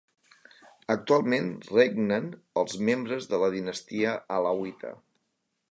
Actualment regnen els membres de la Dinastia alauita.